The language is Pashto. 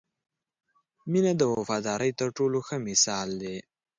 • مینه د وفادارۍ تر ټولو ښه مثال دی.